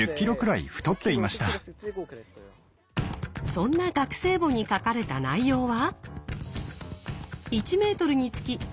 そんな学生簿に書かれた内容は？